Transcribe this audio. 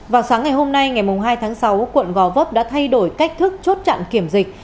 vào sáng ngày hôm nay ngày hai tháng sáu quận gò vấp đã thay đổi cách thức chốt chặn kiểm dịch